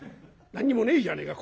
何にもねえじゃねえか。